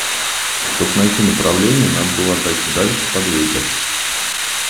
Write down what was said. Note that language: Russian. Чтобы найти направление, надо было отойти дальше под ветер.